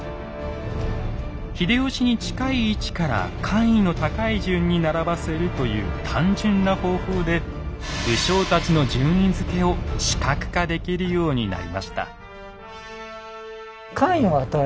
秀吉に近い位置から官位の高い順に並ばせるという単純な方法で武将たちの順位付けを視覚化できるようになりました。